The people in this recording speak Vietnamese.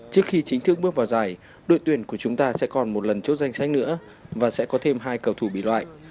trước khi chính thức bước vào giải đội tuyển của chúng ta sẽ còn một lần chốt danh sách nữa và sẽ có thêm hai cầu thủ bị loại